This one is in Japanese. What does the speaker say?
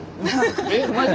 えっマジ？